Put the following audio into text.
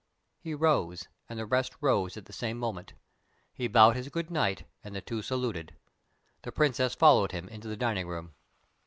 He rose, and the rest rose at the same moment. He bowed his good night, and the two saluted. The Princess followed him into the dining room.